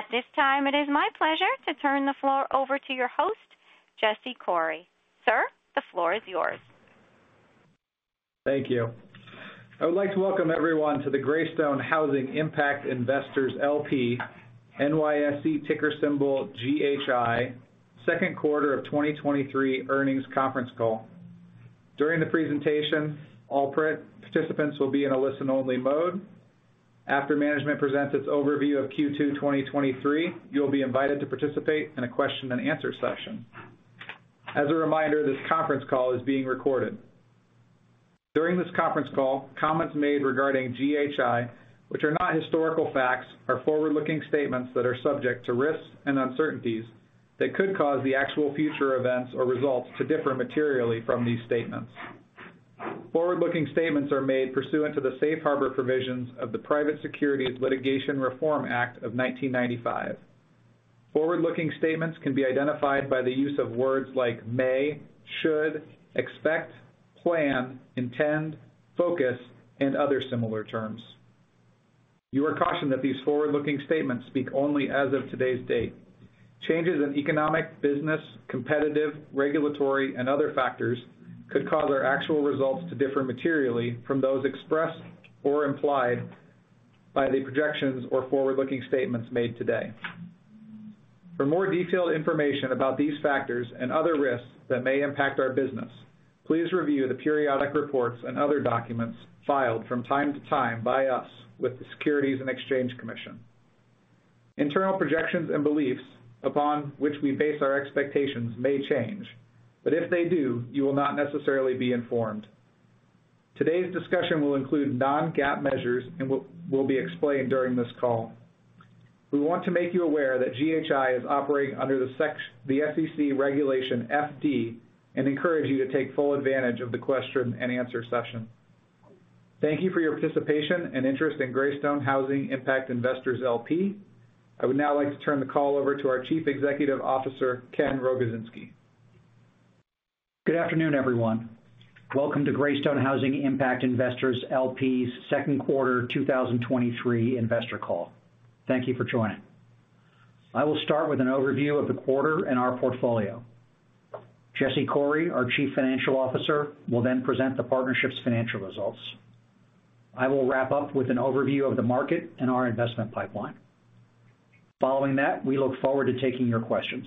At this time, it is my pleasure to turn the floor over to your host, Jesse Coury. Sir, the floor is yours. Thank you. I would like to welcome everyone to the Greystone Housing Impact Investors LP, NYSE ticker symbol GHI, second quarter of 2023 earnings conference call. During the presentation, all participants will be in a listen-only mode. After management presents its overview of Q2 2023, you'll be invited to participate in a question and answer session. As a reminder, this conference call is being recorded. During this conference call, comments made regarding GHI, which are not historical facts, are forward-looking statements that are subject to risks and uncertainties that could cause the actual future events or results to differ materially from these statements. Forward-looking statements are made pursuant to the safe harbor provisions of the Private Securities Litigation Reform Act of 1995. Forward-looking statements can be identified by the use of words like may, should, expect, plan, intend, focus, and other similar terms. You are cautioned that these forward-looking statements speak only as of today's date. Changes in economic, business, competitive, regulatory, and other factors could cause our actual results to differ materially from those expressed or implied by the projections or forward-looking statements made today. For more detailed information about these factors and other risks that may impact our business, please review the periodic reports and other documents filed from time to time by us with the Securities and Exchange Commission. Internal projections and beliefs upon which we base our expectations may change, but if they do, you will not necessarily be informed. Today's discussion will include non-GAAP measures and will be explained during this call. We want to make you aware that GHI is operating under the SEC Regulation FD and encourage you to take full advantage of the question and answer session. Thank you for your participation and interest in Greystone Housing Impact Investors LP. I would now like to turn the call over to our Chief Executive Officer, Ken Rogozinski. Good afternoon, everyone. Welcome to Greystone Housing Impact Investors LP's second quarter 2023 investor call. Thank you for joining. I will start with an overview of the quarter and our portfolio. Jesse Coury, our Chief Financial Officer, will then present the partnership's financial results. I will wrap up with an overview of the market and our investment pipeline. Following that, we look forward to taking your questions.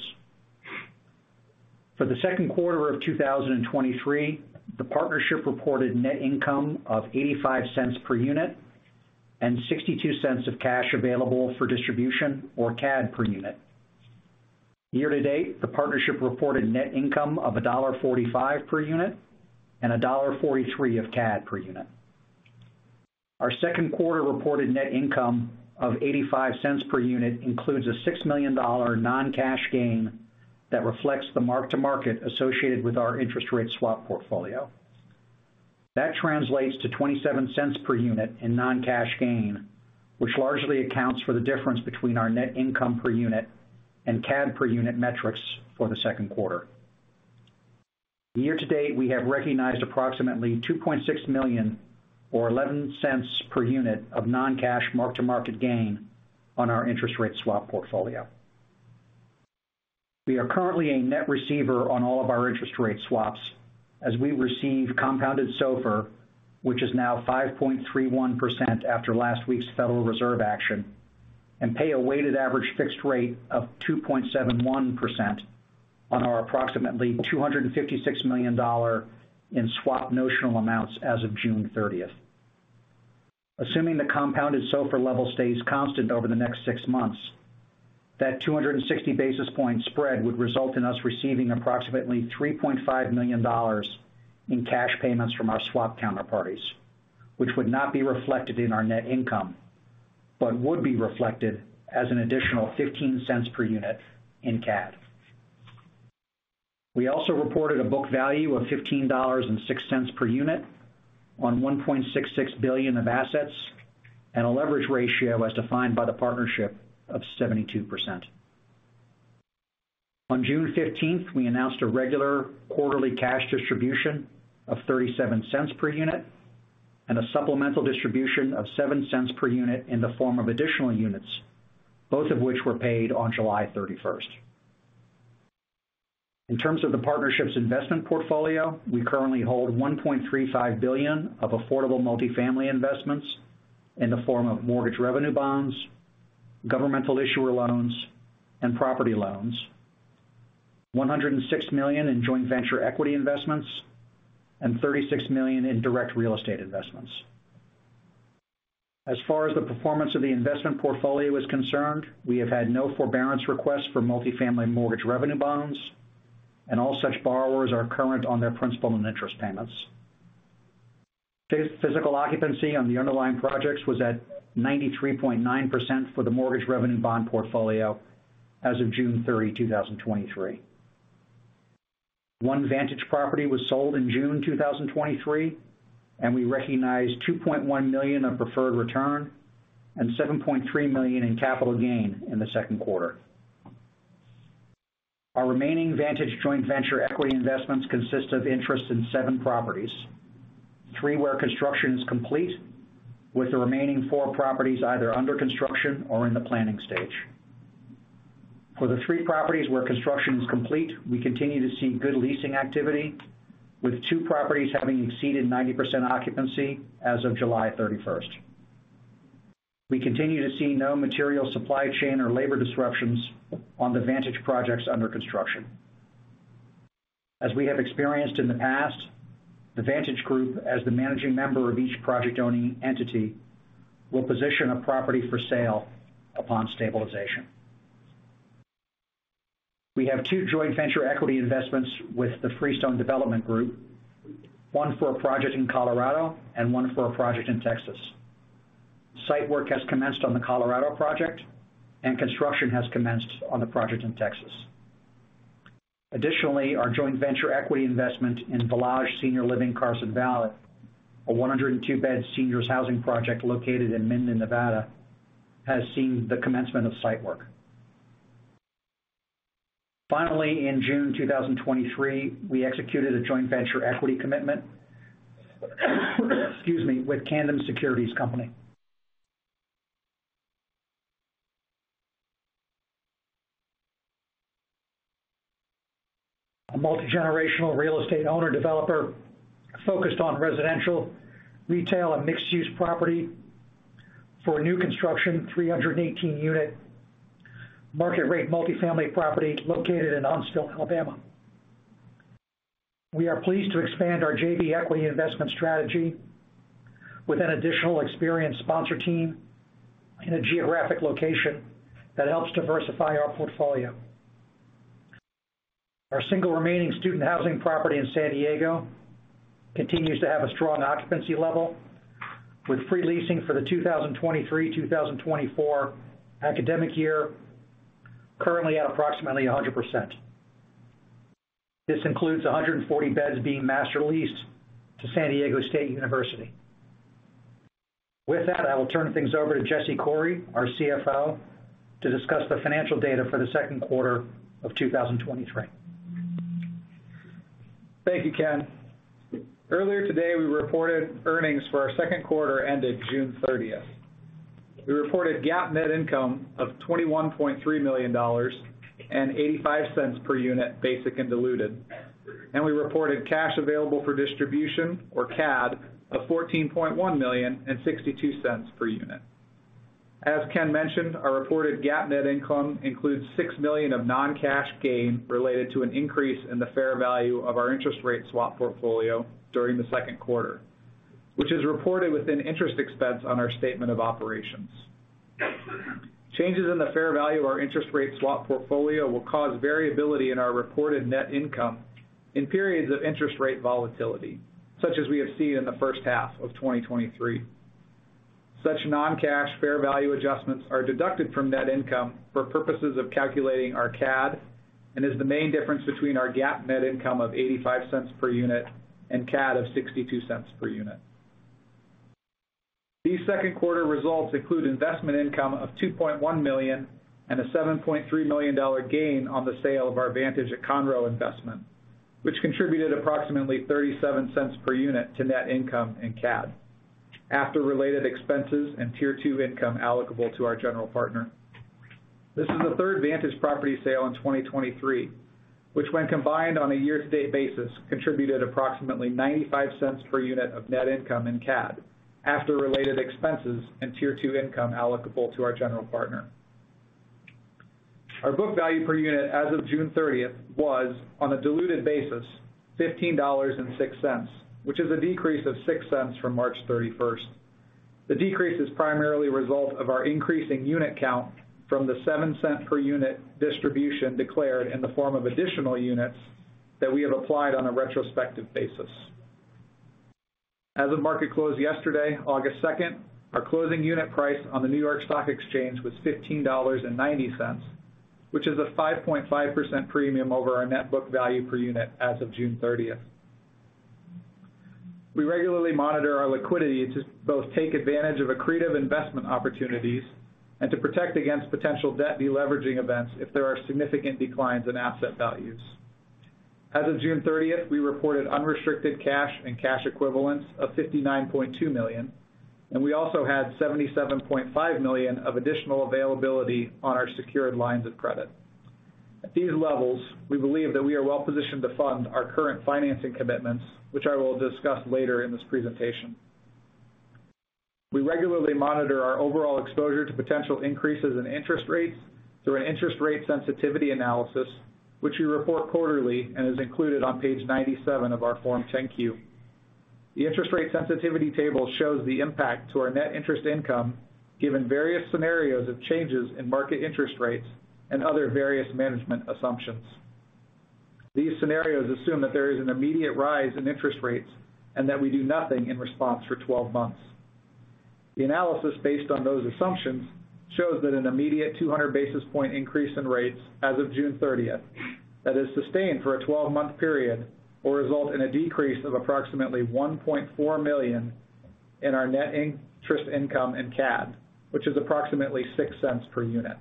For the second quarter of 2023, the partnership reported net income of $0.85 per unit and $0.62 of cash available for distribution, or CAD, per unit. Year to date, the partnership reported net income of $1.45 per unit and $1.43 of CAD per unit. Our second quarter reported net income of $0.85 per unit includes a $6 million non-cash gain that reflects the mark-to-market associated with our interest rate swap portfolio. That translates to $0.27 per unit in non-cash gain, which largely accounts for the difference between our net income per unit and CAD per unit metrics for the second quarter. Year to date, we have recognized approximately $2.6 million, or $0.11 per unit, of non-cash mark-to-market gain on our interest rate swap portfolio. We are currently a net receiver on all of our interest rate swaps as we receive compounded SOFR, which is now 5.31% after last week's Federal Reserve action, and pay a weighted average fixed rate of 2.71% on our approximately $256 million in swap notional amounts as of June 30th. Assuming the compounded SOFR level stays constant over the next six months, that 260 basis point spread would result in us receiving approximately $3.5 million in cash payments from our swap counterparties, which would not be reflected in our net income, but would be reflected as an additional $0.15 per unit in CAD. We also reported a book value of $15.06 per unit on $1.66 billion of assets, and a leverage ratio as defined by the partnership of 72%. On June 15th, we announced a regular quarterly cash distribution of $0.37 per unit and a supplemental distribution of $0.07 per unit in the form of additional units, both of which were paid on July 31st. In terms of the partnership's investment portfolio, we currently hold $1.35 billion of affordable multifamily investments in the form of mortgage revenue bonds, governmental issuer loans, and property loans. $106 million in joint venture equity investments and $36 million in direct real estate investments. As far as the performance of the investment portfolio is concerned, we have had no forbearance requests for multifamily mortgage revenue bonds, and all such borrowers are current on their principal and interest payments. Physical occupancy on the underlying projects was at 93.9% for the mortgage revenue bond portfolio as of June 30, 2023. One Vantage property was sold in June 2023, and we recognized $2.1 million of preferred return and $7.3 million in capital gain in the second quarter. Our remaining Vantage joint venture equity investments consist of interest in seven properties. Three where construction is complete, with the remaining four properties either under construction or in the planning stage. For the three properties where construction is complete, we continue to see good leasing activity, with two properties having exceeded 90% occupancy as of July 31st. We continue to see no material supply chain or labor disruptions on the Vantage projects under construction. As we have experienced in the past, the Vantage Group, as the managing member of each project-owning entity, will position a property for sale upon stabilization. We have two joint venture equity investments with the Freestone Development Group, one for a project in Colorado and one for a project in Texas. Site work has commenced on the Colorado project, and construction has commenced on the project in Texas. Our joint venture equity investment in Valage Senior Living at Carson Valley, a 102-bed seniors housing project located in Minden, Nevada, has seen the commencement of site work. In June 2023, we executed a joint venture equity commitment, excuse me, with Camden Securities Company, a multigenerational real estate owner-developer focused on residential, retail, and mixed-use property for a new construction, 318-unit market rate multifamily property located in Huntsville, Alabama. We are pleased to expand our JV equity investment strategy with an additional experienced sponsor team in a geographic location that helps diversify our portfolio. Our single remaining student housing property in San Diego continues to have a strong occupancy level, with pre-leasing for the 2023/2024 academic year currently at approximately 100%. This includes 140 beds being master leased to San Diego State University. With that, I will turn things over to Jesse Coury, our CFO, to discuss the financial data for the second quarter of 2023. Thank you, Ken. Earlier today, we reported earnings for our second quarter ended June 30th. We reported GAAP net income of $21.3 million and $0.85 per unit, basic and diluted, and we reported cash available for distribution, or CAD, of $14.1 million and $0.62 per unit. As Ken mentioned, our reported GAAP net income includes $6 million of non-cash gain related to an increase in the fair value of our interest rate swap portfolio during the second quarter, which is reported within interest expense on our statement of operations. Changes in the fair value of our interest rate swap portfolio will cause variability in our reported net income in periods of interest rate volatility, such as we have seen in the first half of 2023. Such non-cash fair value adjustments are deducted from net income for purposes of calculating our CAD and is the main difference between our GAAP net income of $0.85 per unit and CAD of $0.62 per unit. These second quarter results include investment income of $2.1 million and a $7.3 million gain on the sale of our Vantage at Conroe investment, which contributed approximately $0.37 per unit to net income and CAD after related expenses and Tier 2 income allocable to our general partner. This is the third Vantage property sale in 2023, which, when combined on a year-to-date basis, contributed approximately $0.95 per unit of net income in CAD after related expenses and Tier 2 income allocable to our general partner. Our book value per unit as of June 30th was, on a diluted basis, $15.06, which is a decrease of $0.06 from March 31st. The decrease is primarily a result of our increasing unit count from the $0.07 per unit distribution declared in the form of additional units that we have applied on a retrospective basis. As of market close yesterday, August 2nd, our closing unit price on the New York Stock Exchange was $15.90, which is a 5.5% premium over our net book value per unit as of June 30th. We regularly monitor our liquidity to both take advantage of accretive investment opportunities and to protect against potential debt de-leveraging events if there are significant declines in asset values. As of June 30th, we reported unrestricted cash and cash equivalents of $59.2 million. We also had $77.5 million of additional availability on our secured lines of credit. At these levels, we believe that we are well positioned to fund our current financing commitments, which I will discuss later in this presentation. We regularly monitor our overall exposure to potential increases in interest rates through an interest rate sensitivity analysis, which we report quarterly and is included on page 97 of our Form 10-Q. The interest rate sensitivity table shows the impact to our net interest income, given various scenarios of changes in market interest rates and other various management assumptions. These scenarios assume that there is an immediate rise in interest rates and that we do nothing in response for 12 months. The analysis based on those assumptions shows that an immediate 200 basis point increase in rates as of June 30th, that is sustained for a 12-month period, will result in a decrease of approximately $1.4 million in our net interest income and CAD, which is approximately $0.06 per unit.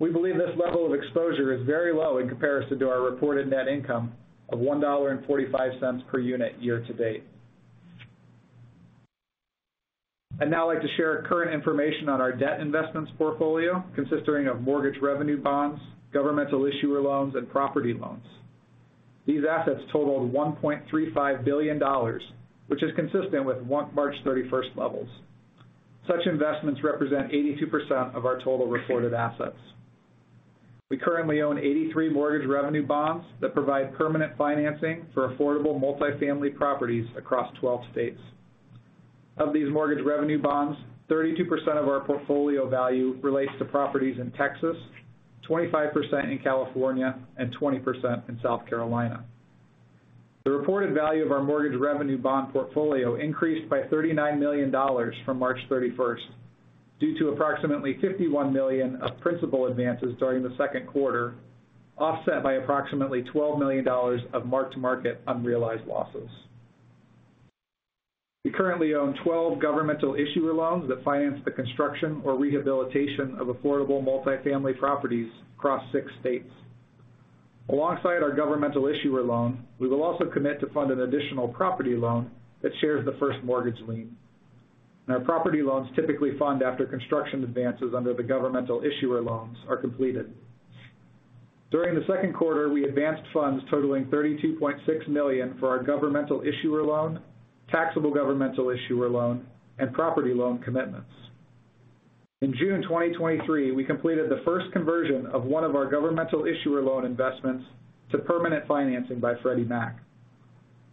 We believe this level of exposure is very low in comparison to our reported net income of $1.45 per unit year-to-date. I'd now like to share current information on our debt investments portfolio, consisting of mortgage revenue bonds, governmental issuer loans, and property loans. These assets totaled $1.35 billion, which is consistent with March 31st levels. Such investments represent 82% of our total reported assets. We currently own 83 mortgage revenue bonds that provide permanent financing for affordable multifamily properties across 12 states. Of these mortgage revenue bonds, 32% of our portfolio value relates to properties in Texas, 25% in California, and 20% in South Carolina. The reported value of our mortgage revenue bond portfolio increased by $39 million from March 31st, due to approximately $51 million of principal advances during the second quarter, offset by approximately $12 million of mark-to-market unrealized losses. We currently own 12 governmental issuer loans that finance the construction or rehabilitation of affordable multifamily properties across six states. Alongside our governmental issuer loan, we will also commit to fund an additional property loan that shares the first mortgage lien. Our property loans typically fund after construction advances under the governmental issuer loans are completed. During the second quarter, we advanced funds totaling $32.6 million for our governmental issuer loan, taxable governmental issuer loan, and property loan commitments. In June 2023, we completed the first conversion of one of our governmental issuer loan investments to permanent financing by Freddie Mac.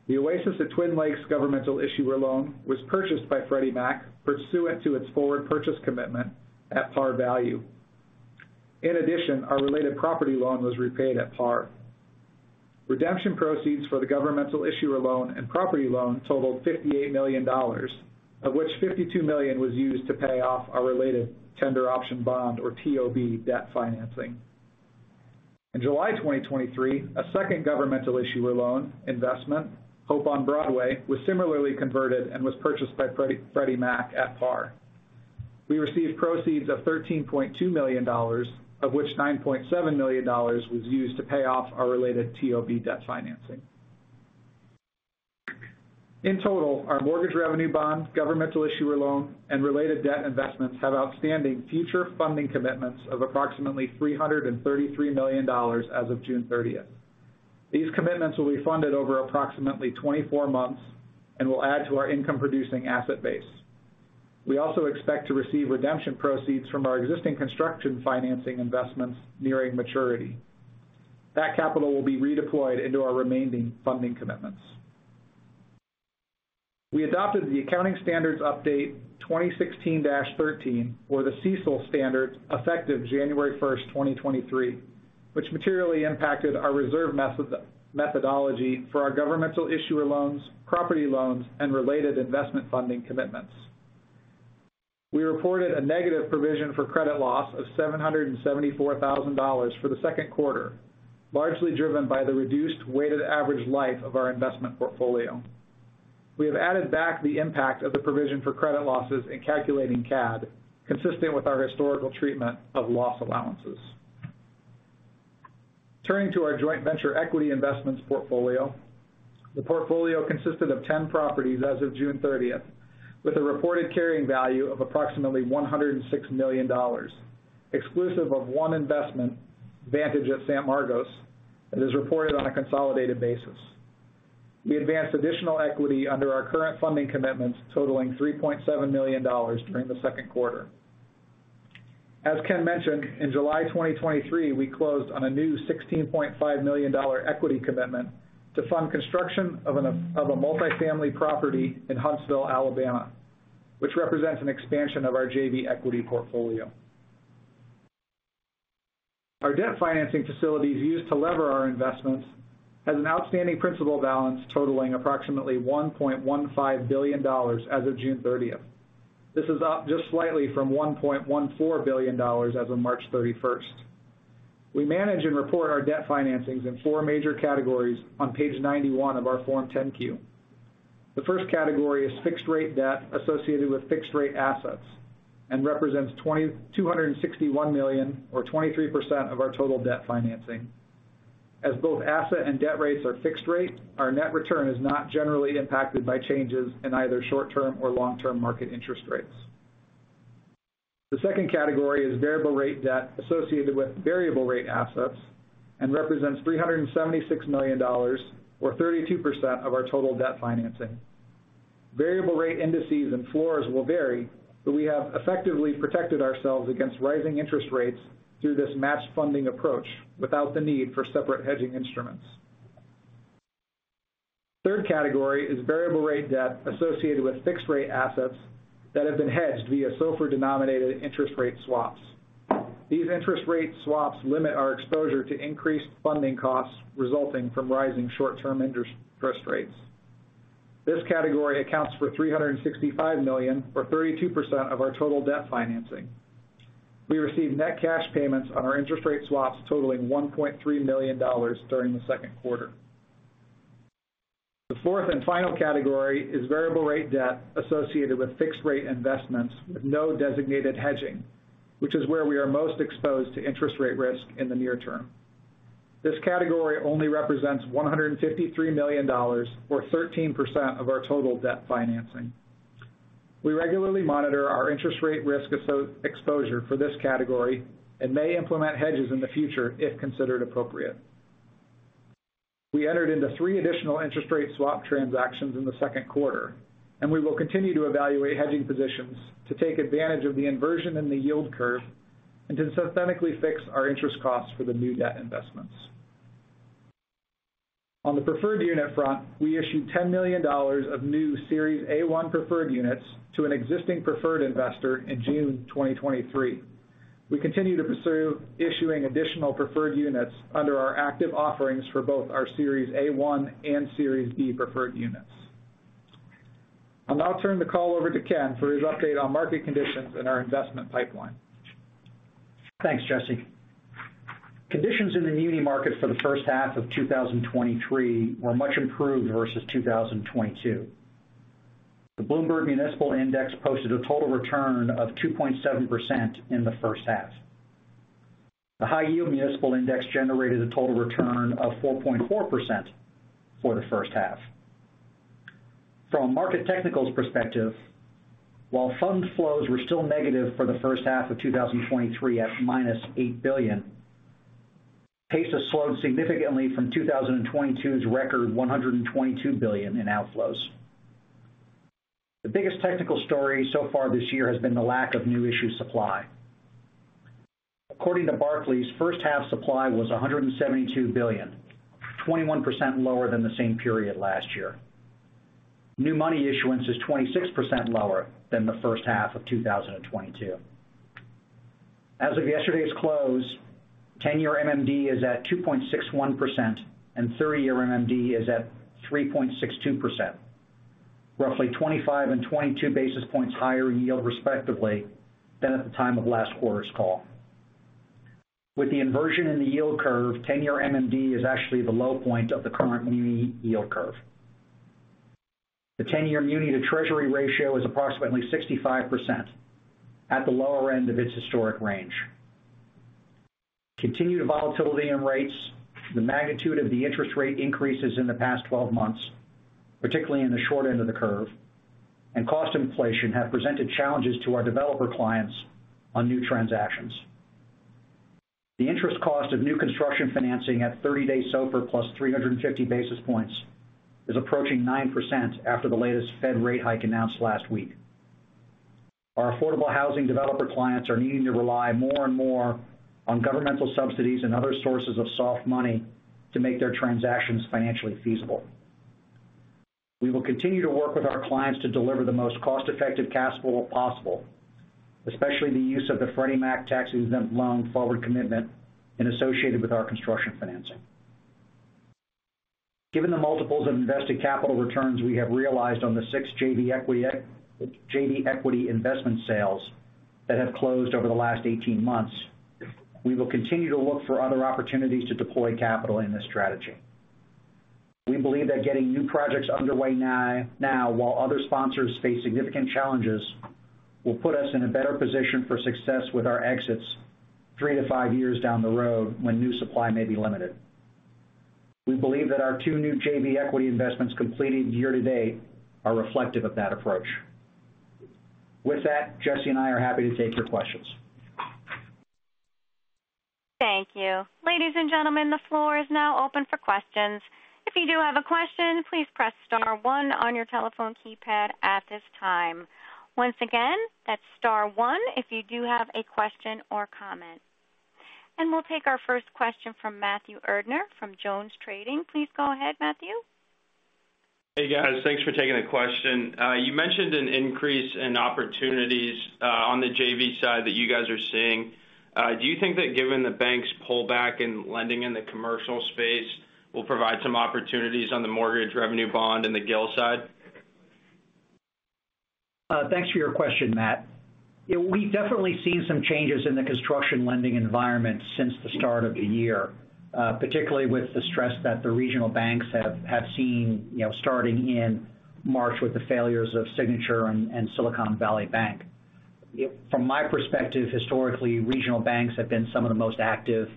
The Oasis at Twin Lakes governmental issuer loan was purchased by Freddie Mac pursuant to its forward purchase commitment at par value. In addition, our related property loan was repaid at par. Redemption proceeds for the governmental issuer loan and property loan totaled $58 million, of which $52 million was used to pay off our related tender option bond, or TOB, debt financing. In July 2023, a second governmental issuer loan investment, Hope on Broadway, was similarly converted and was purchased by Freddie Mac at par. We received proceeds of $13.2 million, of which $9.7 million was used to pay off our related TOB debt financing. In total, our mortgage revenue bonds, governmental issuer loan, and related debt investments have outstanding future funding commitments of approximately $333 million as of June 30th. These commitments will be funded over approximately 24 months and will add to our income-producing asset base. We also expect to receive redemption proceeds from our existing construction financing investments nearing maturity. That capital will be redeployed into our remaining funding commitments. We adopted the Accounting Standards Update 2016-13, or the CECL standards, effective January 1st, 2023, which materially impacted our reserve methodology for our governmental issuer loans, property loans, and related investment funding commitments. We reported a negative provision for credit loss of $774,000 for the second quarter, largely driven by the reduced weighted average life of our investment portfolio. We have added back the impact of the provision for credit losses in calculating CAD, consistent with our historical treatment of loss allowances. Turning to our joint venture equity investments portfolio. The portfolio consisted of 10 properties as of June 30th, with a reported carrying value of approximately $106 million, exclusive of one investment, Vantage at San Marcos, that is reported on a consolidated basis. We advanced additional equity under our current funding commitments, totaling $3.7 million during the second quarter. As Ken mentioned, in July 2023, we closed on a new $16.5 million equity commitment to fund construction of a multifamily property in Huntsville, Alabama, which represents an expansion of our JV equity portfolio. Our debt financing facilities used to lever our investments has an outstanding principal balance totaling approximately $1.15 billion as of June 30th. This is up just slightly from $1.14 billion as of March 31st. We manage and report our debt financings in 4 major categories on page 91 of our Form 10-Q. The first category is fixed-rate debt associated with fixed-rate assets and represents $261 million, or 23%, of our total debt financing. As both asset and debt rates are fixed rate, our net return is not generally impacted by changes in either short-term or long-term market interest rates. The second category is variable rate debt associated with variable rate assets and represents $376 million, or 32%, of our total debt financing. Variable rate indices and floors will vary, but we have effectively protected ourselves against rising interest rates through this matched funding approach without the need for separate hedging instruments. Third category is variable rate debt associated with fixed-rate assets that have been hedged via SOFR-denominated interest rate swaps. These interest rate swaps limit our exposure to increased funding costs resulting from rising short-term interest rates. This category accounts for $365 million, or 32%, of our total debt financing. We received net cash payments on our interest rate swaps totaling $1.3 million during the second quarter. The fourth and final category is variable rate debt associated with fixed rate investments with no designated hedging, which is where we are most exposed to interest rate risk in the near term. This category only represents $153 million, or 13% of our total debt financing. We regularly monitor our interest rate risk exposure for this category and may implement hedges in the future if considered appropriate. We entered into three additional interest rate swap transactions in the second quarter. We will continue to evaluate hedging positions to take advantage of the inversion in the yield curve and to synthetically fix our interest costs for the new debt investments. On the preferred unit front, we issued $10 million of new Series A-1 preferred units to an existing preferred investor in June 2023. We continue to pursue issuing additional preferred units under our active offerings for both our Series A-1 and Series B preferred units. I'll now turn the call over to Ken for his update on market conditions and our investment pipeline. Thanks, Jesse. Conditions in the muni market for the first half of 2023 were much improved versus 2022. The Bloomberg Municipal Index posted a total return of 2.7% in the first half. The high yield Municipal Index generated a total return of 4.4% for the first half. From a market technicals perspective, while fund flows were still negative for the first half of 2023 at -$8 billion, pace has slowed significantly from 2022's record, $122 billion in outflows. The biggest technical story so far this year has been the lack of new issue supply. According to Barclays, first half supply was $172 billion, 21% lower than the same period last year. New money issuance is 26% lower than the first half of 2022. As of yesterday's close, 10-year MMD is at 2.61%, and 30-year MMD is at 3.62%, roughly 25 and 22 basis points higher yield, respectively, than at the time of last quarter's call. With the inversion in the yield curve, 10-year MMD is actually the low point of the current muni yield curve. The 10-year muni-to-Treasury ratio is approximately 65%, at the lower end of its historic range. Continued volatility in rates, the magnitude of the interest rate increases in the past 12 months, particularly in the short end of the curve, and cost inflation, have presented challenges to our developer clients on new transactions. The interest cost of new construction financing at 30-day SOFR plus 350 basis points, is approaching 9% after the latest Fed rate hike announced last week. Our affordable housing developer clients are needing to rely more and more on governmental subsidies and other sources of soft money to make their transactions financially feasible. We will continue to work with our clients to deliver the most cost-effective cash flow possible, especially the use of the Freddie Mac tax-exempt loan forward commitment and associated with our construction financing. Given the multiples of invested capital returns we have realized on the six JV equity, JV equity investment sales that have closed over the last 18 months, we will continue to look for other opportunities to deploy capital in this strategy. We believe that getting new projects underway now, now, while other sponsors face significant challenges, will put us in a better position for success with our exits three to five years down the road when new supply may be limited. We believe that our two new JV equity investments completed year to date are reflective of that approach. With that, Jesse and I are happy to take your questions. Thank you. Ladies and gentlemen, the floor is now open for questions. If you do have a question, please press star one on your telephone keypad at this time. Once again, that's star one if you do have a question or comment. We'll take our first question from Matthew Erdner from JonesTrading. Please go ahead, Matthew. Hey, guys. Thanks for taking the question. You mentioned an increase in opportunities on the JV side that you guys are seeing. Do you think that given the bank's pullback in lending in the commercial space, will provide some opportunities on the mortgage revenue bond and the GIL side? Thanks for your question, Matt. Yeah, we've definitely seen some changes in the construction lending environment since the start of the year, particularly with the stress that the regional banks have, have seen, you know, starting in March with the failures of Signature Bank and Silicon Valley Bank. From my perspective, historically, regional banks have been some of the most active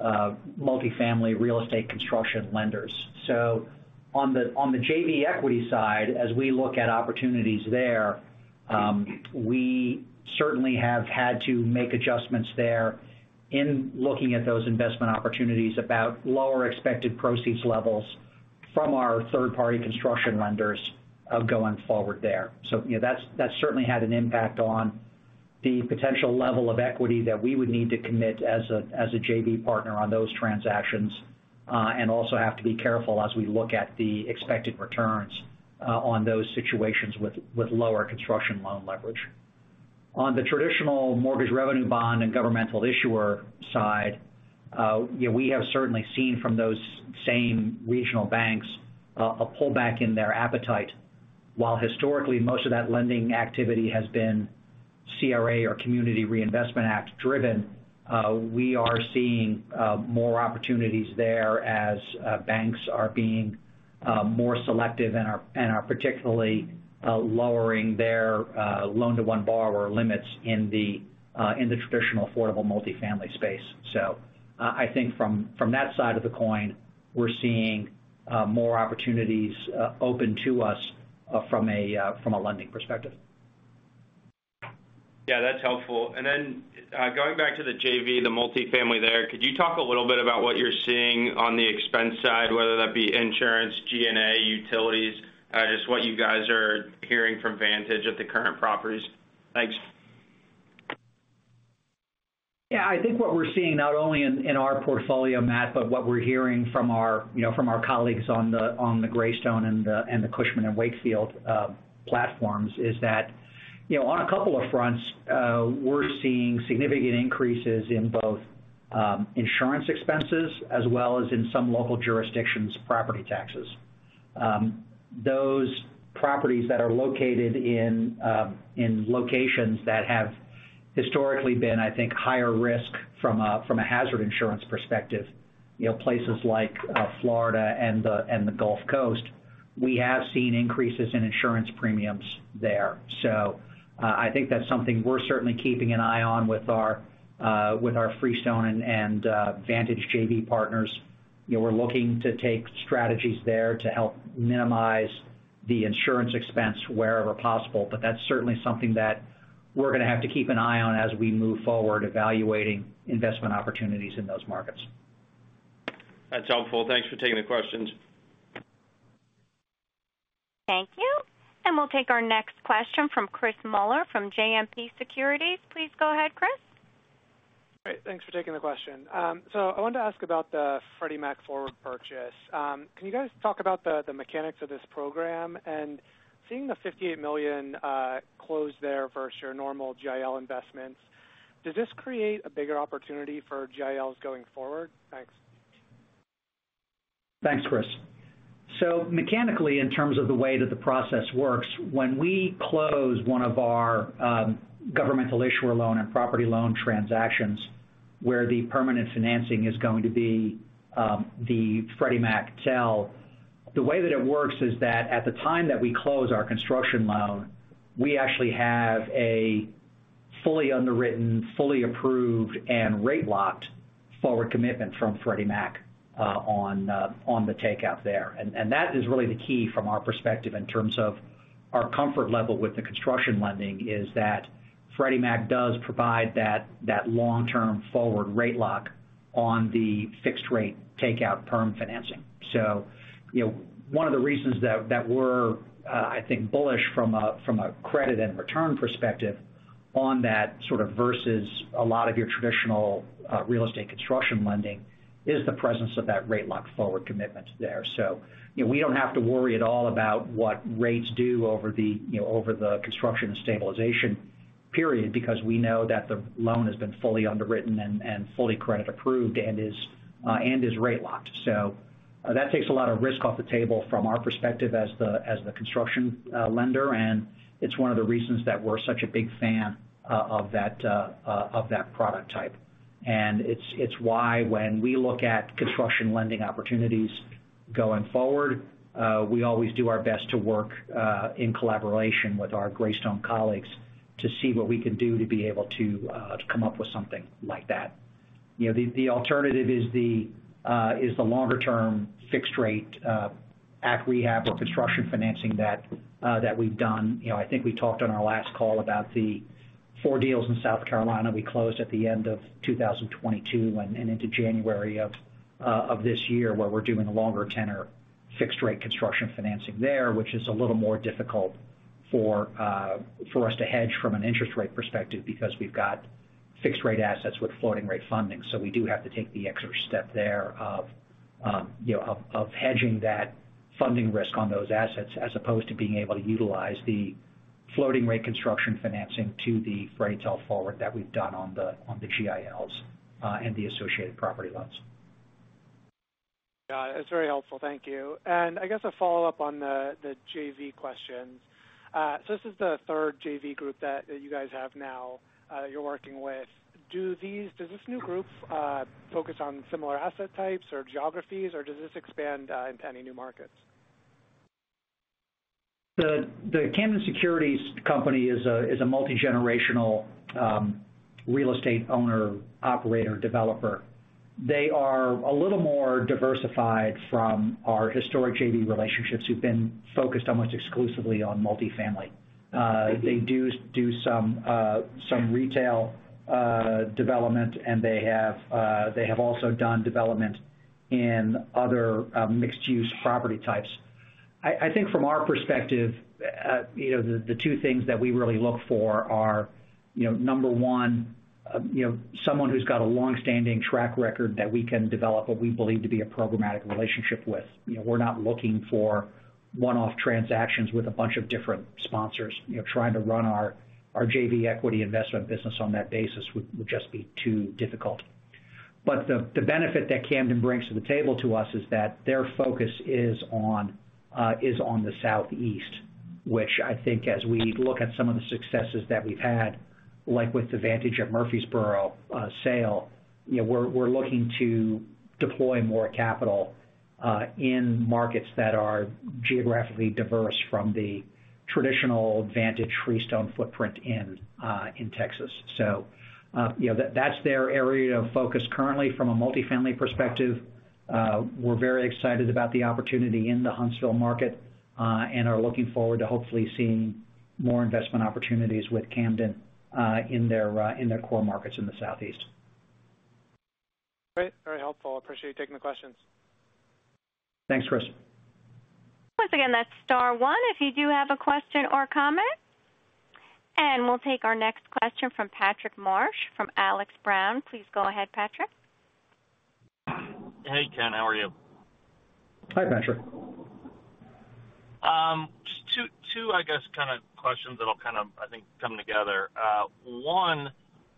multifamily real estate construction lenders. On the JV equity side, as we look at opportunities there, we certainly have had to make adjustments there in looking at those investment opportunities about lower expected proceeds levels from our third-party construction lenders going forward there. You know, that certainly had an impact on the potential level of equity that we would need to commit as a JV partner on those transactions, and also have to be careful as we look at the expected returns on those situations with lower construction loan leverage. On the traditional mortgage revenue bond and governmental issuer side, yeah, we have certainly seen from those same regional banks a pullback in their appetite. While historically, most of that lending activity has been CRA or Community Reinvestment Act driven, we are seeing more opportunities there as banks are being more selective and are particularly lowering their loan-to-one borrower limits in the traditional affordable multifamily space. I think from, from that side of the coin, we're seeing, more opportunities, open to us, from a, from a lending perspective. Yeah, that's helpful. Then, going back to the JV, the multifamily there, could you talk a little bit about what you're seeing on the expense side, whether that be insurance, G&A, utilities, just what you guys are hearing from Vantage at the current properties? Thanks. Yeah, I think what we're seeing, not only in, in our portfolio, Matt, but what we're hearing from our, you know, from our colleagues on the, on the Greystone and the, and the Cushman & Wakefield platforms, is that, you know, on a couple of fronts, we're seeing significant increases in both, insurance expenses as well as in some local jurisdictions, property taxes. Those properties that are located in, in locations that have historically been, I think, higher risk from a, from a hazard insurance perspective, you know, places like, Florida and the, and the Gulf Coast, we have seen increases in insurance premiums there. I think that's something we're certainly keeping an eye on with our, with our Freestone and, and Vantage JV partners. You know, we're looking to take strategies there to help minimize the insurance expense wherever possible, but that's certainly something that we're going to have to keep an eye on as we move forward, evaluating investment opportunities in those markets. That's helpful. Thanks for taking the questions. Thank you. We'll take our next question from Chris Muller from JMP Securities. Please go ahead, Chris. Great. Thanks for taking the question. I wanted to ask about the Freddie Mac forward purchase. Can you guys talk about the, the mechanics of this program? Seeing the $58 million close there versus your normal GIL investments, does this create a bigger opportunity for GILs going forward? Thanks. Thanks, Chris. Mechanically, in terms of the way that the process works, when we close one of our governmental issuer loan and property loan transactions, where the permanent financing is going to be the Freddie Mac TEL, the way that it works is that at the time that we close our construction loan, we actually have a fully underwritten, fully approved, and rate locked forward commitment from Freddie Mac on on the takeout there. That is really the key from our perspective in terms of our comfort level with the construction lending, is that Freddie Mac does provide that, that long-term forward rate lock on the fixed rate takeout perm financing. You know, one of the reasons that, that we're, I think, bullish from a, from a credit and return perspective on that sort of versus a lot of your traditional, real estate construction lending, is the presence of that rate lock forward commitment there. You know, we don't have to worry at all about what rates do over the, you know, over the construction and stabilization period, because we know that the loan has been fully underwritten and, and fully credit approved and is, and is rate locked. That takes a lot of risk off the table from our perspective as the, as the construction, lender, and it's one of the reasons that we're such a big fan, of that, of that product type. It's, it's why when we look at construction lending opportunities going forward, we always do our best to work in collaboration with our Greystone colleagues to see what we can do to be able to come up with something like that. You know, the alternative is the longer-term fixed rate, AC rehab or construction financing that we've done. You know, I think we talked on our last call about the four deals in South Carolina we closed at the end of 2022 and into January of this year, where we're doing a longer tenor fixed rate construction financing there, which is a little more difficult for us to hedge from an interest rate perspective because we've got fixed rate assets with floating rate funding. We do have to take the extra step there of, you know, of, of hedging that funding risk on those assets, as opposed to being able to utilize the floating rate construction financing to the rate lock forward that we've done on the, on the GILs, and the associated property loans. Yeah, that's very helpful. Thank you. I guess a follow-up on the, the JV question. So this is the third JV group that, that you guys have now, you're working with. Does this new group focus on similar asset types or geographies, or does this expand into any new markets? The, the Camden Securities Company is a, is a multigenerational real estate owner, operator, developer. They are a little more diversified from our historic JV relationships, who've been focused almost exclusively on multifamily. They do do some retail development, and they have also done development in other mixed-use property types. I, I think from our perspective, you know, the, the two things that we really look for are, you know, number one, you know, someone who's got a long-standing track record that we can develop what we believe to be a programmatic relationship with. You know, we're not looking for one-off transactions with a bunch of different sponsors. You know, trying to run our, our JV equity investment business on that basis would, would just be too difficult. The, the benefit that Camden brings to the table to us is that their focus is on the Southeast, which I think as we look at some of the successes that we've had, like with the Vantage at Murfreesboro sale, you know, we're, we're looking to deploy more capital in markets that are geographically diverse from the traditional Vantage Freestone footprint in Texas. You know, that-that's their area of focus currently from a multifamily perspective. We're very excited about the opportunity in the Huntsville market and are looking forward to hopefully seeing more investment opportunities with Camden in their core markets in the Southeast. Great, very helpful. Appreciate you taking the questions. Thanks, Chris. Once again, that's star one, if you do have a question or comment. We'll take our next question from Patrick Marsh, from Alex. Brown. Please go ahead, Patrick. Hey, Ken, how are you? Hi, Patrick. Just two, two, I guess, kind of questions that'll kind of, I think, come together. One,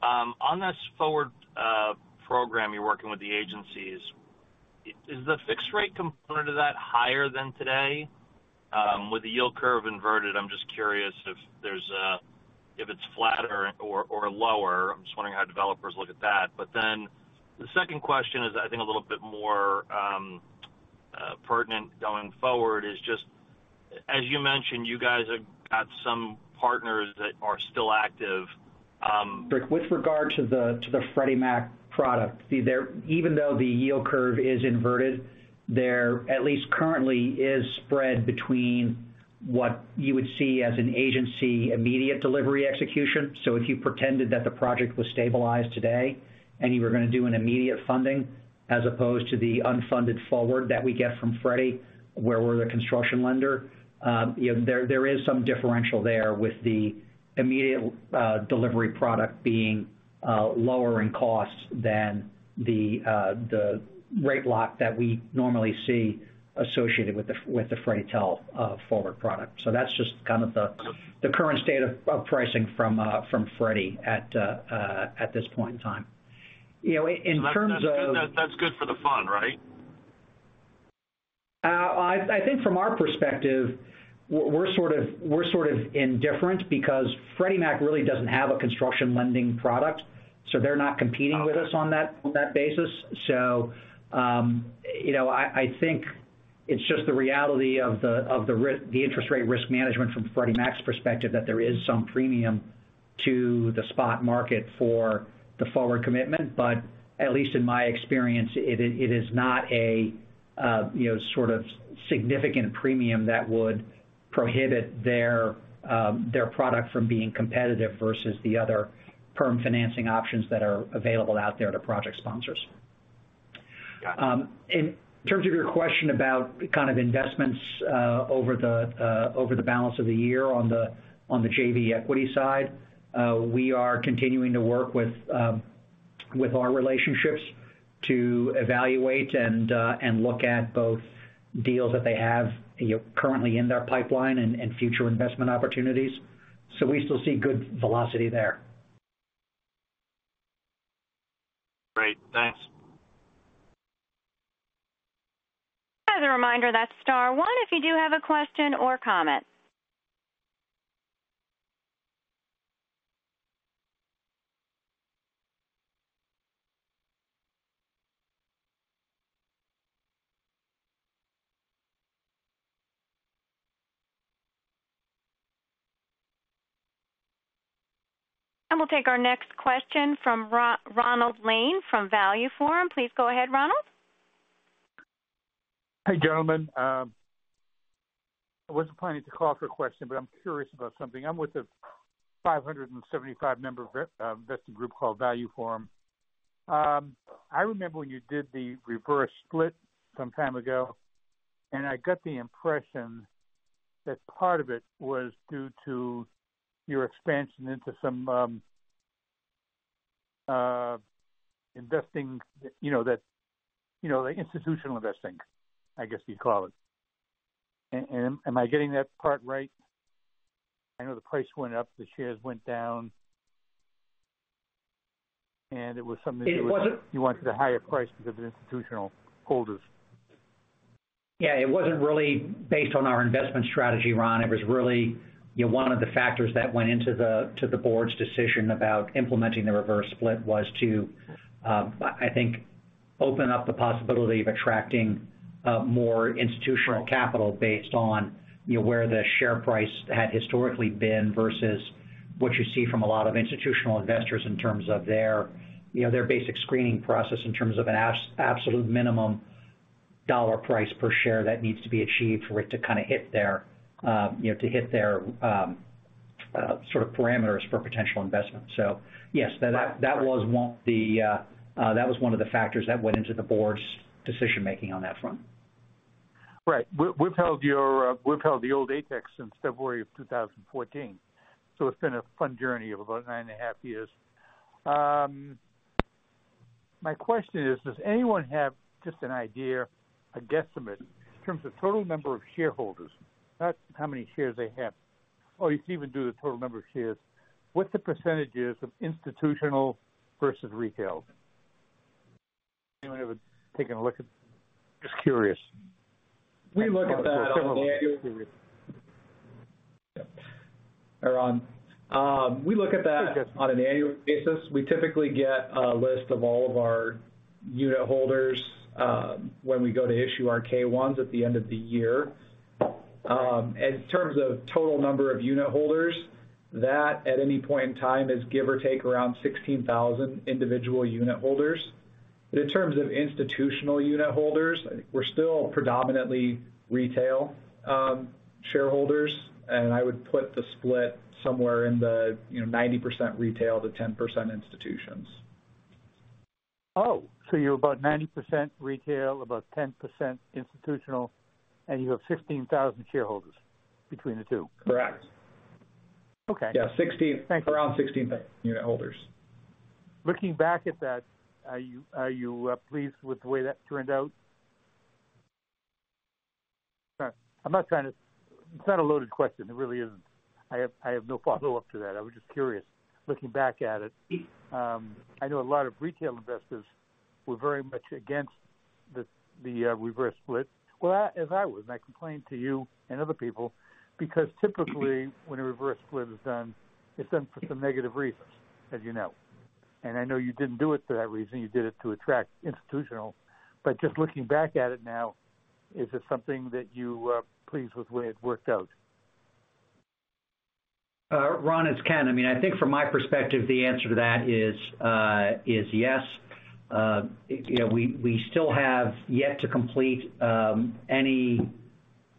on this forward program you're working with the agencies, is the fixed rate component of that higher than today? With the yield curve inverted, I'm just curious if it's flatter or, or lower. I'm just wondering how developers look at that. The second question is, I think a little bit more pertinent going forward, is just, as you mentioned, you guys have got some partners that are still active. With regard to the, to the Freddie Mac product, even though the yield curve is inverted, there, at least currently, is spread between what you would see as an agency immediate delivery execution. If you pretended that the project was stabilized today and you were going to do an immediate funding as opposed to the unfunded forward that we get from Freddie, where we're the construction lender, you know, there, there is some differential there with the immediate delivery product being lower in cost than the rate lock that we normally see associated with the, with the Freddie TEL forward product. That's just kind of the, the current state of pricing from Freddie at this point in time. That's good for the fund, right? I, I think from our perspective, we're, we're sort of, we're sort of indifferent because Freddie Mac really doesn't have a construction lending product, so they're not competing with us on that, on that basis. You know, I, I think it's just the reality of the, of the interest rate risk management from Freddie Mac's perspective, that there is some premium to the spot market for the forward commitment. At least in my experience, it is, it is not a, you know, sort of significant premium that would prohibit their, their product from being competitive versus the other firm financing options that are available out there to project sponsors. In terms of your question about kind of investments, over the over the balance of the year on the on the JV equity side, we are continuing to work with with our relationships to evaluate and and look at both deals that they have, you know, currently in their pipeline and, and future investment opportunities. We still see good velocity there. Great. Thanks. As a reminder, that's star one, if you do have a question or comment. We'll take our next question from Ronald Lane from ValueForum. Please go ahead, Ronald. Hi, gentlemen. I wasn't planning to call for a question, but I'm curious about something. I'm with a 575-member investing group called ValueForum. I remember when you did the reverse split some time ago, and I got the impression that part of it was due to your expansion into some investing, you know, that, you know, the institutional investing, I guess you'd call it. Am I getting that part right? I know the price went up, the shares went down, and it was something- It wasn't.... you wanted a higher price because of institutional holders. Yeah, it wasn't really based on our investment strategy, Ron. It was really, you know, one of the factors that went into the, to the board's decision about implementing the reverse split was to, I think, open up the possibility of attracting more institutional capital based on, you know, where the share price had historically been, versus what you see from a lot of institutional investors in terms of their, you know, their basic screening process, in terms of an absolute minimum dollar price per share that needs to be achieved for it to kind of hit their, you know, to hit their sort of parameters for potential investment. Yes, that, that was one of the factors that went into the board's decision-making on that front. Right. We've, we've held your, we've held the old Apex since February of 2014, so it's been a fun journey of about 9.5 years. My question is, does anyone have just an idea, a guesstimate, in terms of total number of shareholders, not how many shares they have? Or you can even do the total number of shares. What the % is of institutional versus retail? Anyone ever taken a look at? Just curious. Hey, Ron. We look at that on an annual basis. We typically get a list of all of our unitholders, when we go to issue our K-1s at the end of the year. In terms of total number of unitholders, that, at any point in time, is give or take around 16,000 individual unitholders. In terms of institutional unitholders, we're still predominantly retail, shareholders, and I would put the split somewhere in the, you know, 90% retail to 10% institutions. Oh, you're about 90% retail, about 10% institutional, and you have 15,000 shareholders between the two? Correct. Okay. Yeah. Thank you. Around 16,000 unitholders. Looking back at that, are you, are you pleased with the way that turned out? I'm not trying to... It's not a loaded question, it really isn't. I have, I have no follow-up to that. I was just curious, looking back at it. I know a lot of retail investors were very much against the, the reverse split. Well, as I was, and I complained to you and other people, because typically, when a reverse split is done, it's done for some negative reasons, as you know. I know you didn't do it for that reason, you did it to attract institutional. Just looking back at it now, is it something that you are pleased with the way it worked out? Ron, it's Ken. I mean, I think from my perspective, the answer to that is yes. You know, we, we still have yet to complete any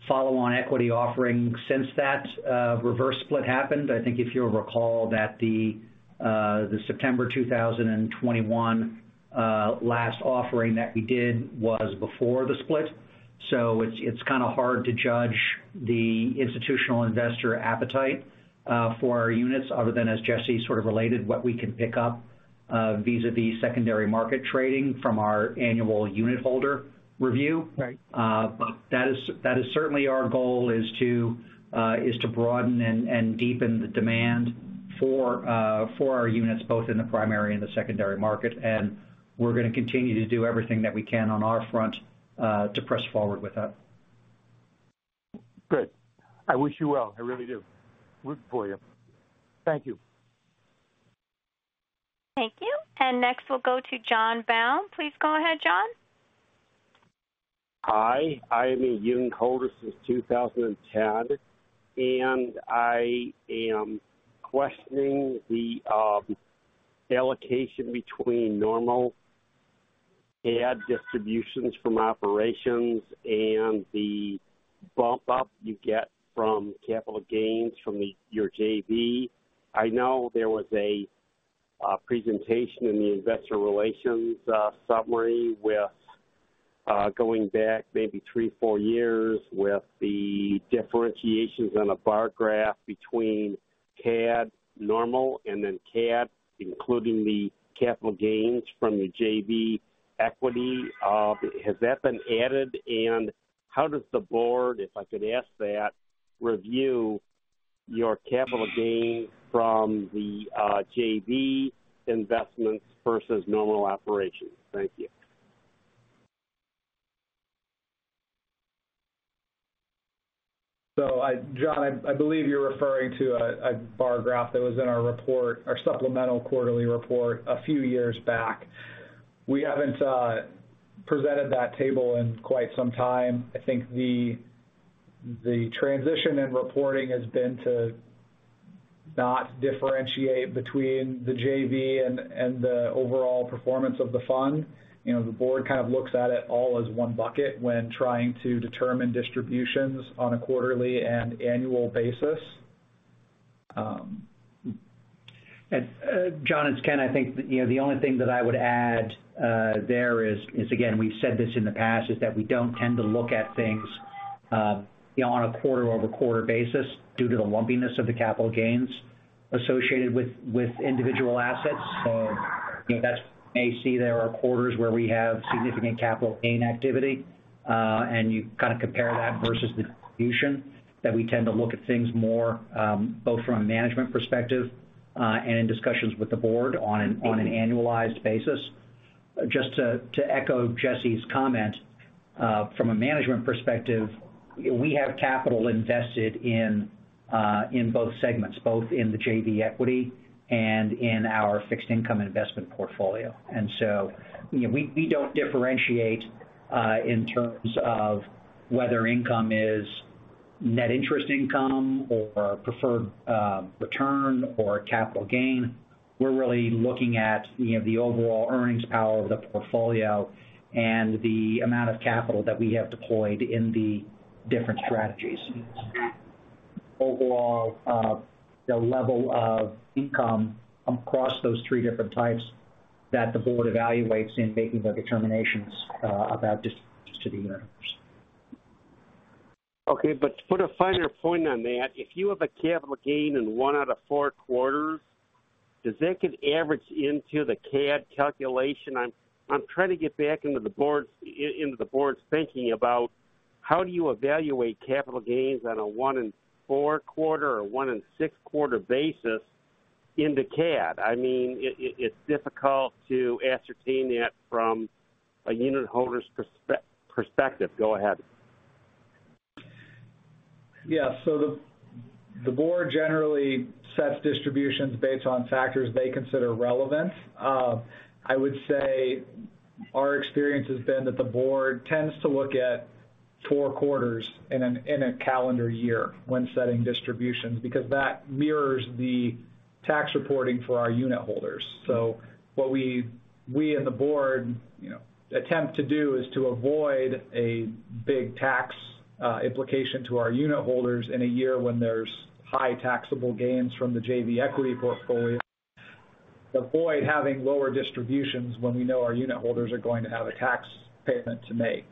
follow-on equity offerings since that reverse split happened. I think if you'll recall that the September 2021 last offering that we did was before the split. So it's, it's kinda hard to judge the institutional investor appetite for our units, other than, as Jesse Coury sort of related, what we can pick up vis-a-vis secondary market trading from our annual unitholder review. Right. That is, that is certainly our goal, is to broaden and deepen the demand for our units, both in the primary and the secondary market, and we're gonna continue to do everything that we can on our front to press forward with that. Good. I wish you well. I really do. Rooting for you. Thank you. Thank you. Next, we'll go to John Bound. Please go ahead, John. Hi. I've been a unitholder since 2010, and I am questioning the allocation between normal ad distributions from operations and the bump up you get from capital gains from your JV. I know there was a presentation in the investor relations summary with going back maybe thee, four years, with the differentiations on a bar graph between CAD normal and then CAD, including the capital gains from the JV equity. Has that been added? How does the board, if I could ask that, review your capital gains from the JV investments versus normal operations? Thank you. I-- John, I believe you're referring to a bar graph that was in our report, our supplemental quarterly report, a few years back. We haven't presented that table in quite some time. I think the transition in reporting has been to not differentiate between the JV and the overall performance of the fund. You know, the board kind of looks at it all as one bucket when trying to determine distributions on a quarterly and annual basis. John, it's Ken, I think, you know, the only thing that I would add there is, is, again, we've said this in the past, is that we don't tend to look at things, you know, on a quarter-over-quarter basis due to the lumpiness of the capital gains associated with, with individual assets. That's may see there are quarters where we have significant capital gain activity, and you kind of compare that versus the distribution, that we tend to look at things more, both from a management perspective, and in discussions with the board on an annualized basis. Just to, to echo Jesse's comment, from a management perspective, we have capital invested in both segments, both in the JV equity and in our fixed income investment portfolio. You know, we, we don't differentiate in terms of whether income is net interest income or preferred return or capital gain. We're really looking at, you know, the overall earnings power of the portfolio and the amount of capital that we have deployed in the different strategies. Overall, the level of income across those three different types that the board evaluates in making their determinations about distributions to the unitholders. To put a finer point on that, if you have a capital gain in one out of four quarters? Does that get averaged into the CAD calculation? I'm trying to get back into the board's thinking about how do you evaluate capital gains on a one-in-four quarter or one-in-six quarter basis in the CAD? I mean, it's difficult to ascertain that from a unitholder's perspective. Go ahead. Yeah. The board generally sets distributions based on factors they consider relevant. I would say our experience has been that the board tends to look at four quarters in a calendar year when setting distributions, because that mirrors the tax reporting for our unitholders. What we, we and the board, you know, attempt to do is to avoid a big tax implication to our unitholders in a year when there's high taxable gains from the JV equity portfolio. Avoid having lower distributions when we know our unitholders are going to have a tax payment to make.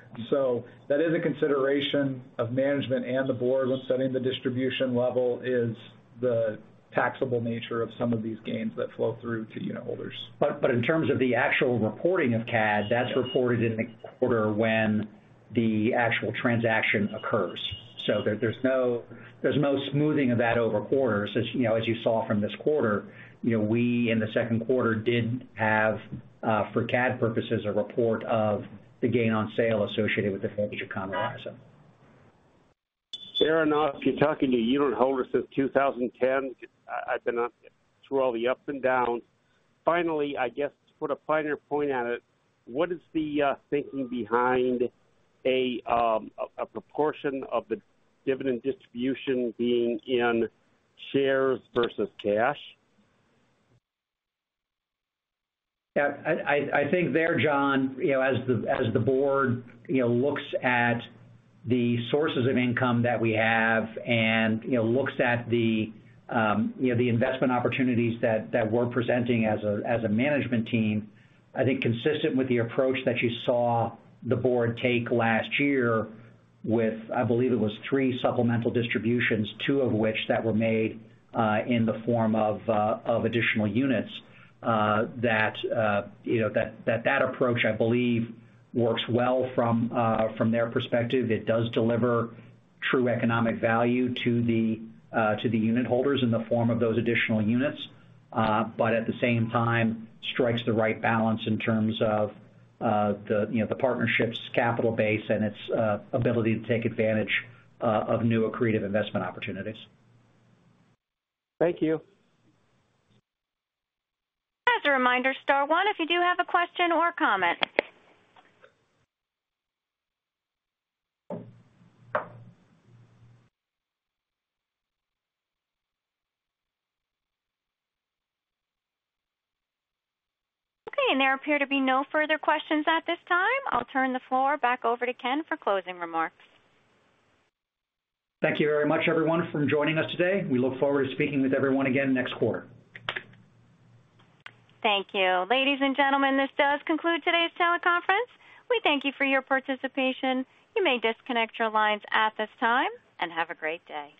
That is a consideration of management and the board when setting the distribution level, is the taxable nature of some of these gains that flow through to unitholders. But in terms of the actual reporting of CAD, that's reported in the quarter when the actual transaction occurs. So there, there's no, there's no smoothing of that over quarters. As, you know, as you saw from this quarter, you know, we, in the second quarter, did have, for CAD purposes, a report of the gain on sale associated with the mortgage of Commonwealth. Fair enough. You're talking to unitholder since 2010. I, I've been up through all the ups and downs. Finally, I guess, to put a finer point on it, what is the thinking behind a, a, a proportion of the dividend distribution being in shares versus cash? Yeah, I think there, John, you know, as the, as the board, you know, looks at the sources of income that we have and, you know, looks at the, you know, the investment opportunities that we're presenting as a management team, I think consistent with the approach that you saw the board take last year with, I believe it was three supplemental distributions, two of which that were made in the form of additional units that, you know, that approach, I believe, works well from their perspective. It does deliver true economic value to the to the unitholders in the form of those additional units, but at the same time, strikes the right balance in terms of the, you know, the partnership's capital base and its ability to take advantage of new accretive investment opportunities. Thank you. As a reminder, star one, if you do have a question or comment. Okay, there appear to be no further questions at this time. I'll turn the floor back over to Ken for closing remarks. Thank you very much, everyone, for joining us today. We look forward to speaking with everyone again next quarter. Thank you. Ladies and gentlemen, this does conclude today's teleconference. We thank you for your participation. You may disconnect your lines at this time, and have a great day.